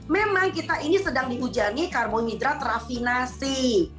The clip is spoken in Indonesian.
memang kita ini sedang dihujani karbohidrat rafinasi